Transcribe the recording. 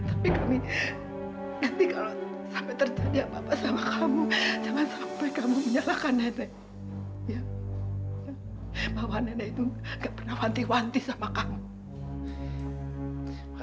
aku mau peduli sama kamu